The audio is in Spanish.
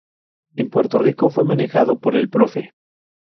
En Puerto Rico, fue manejado por El Profe.